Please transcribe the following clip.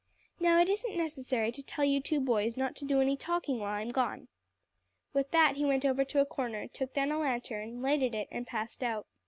Now it isn't necessary to tell you two boys not to do any talking while I'm gone." With that he went over to a corner, took down a lantern, lighted it, and passed out.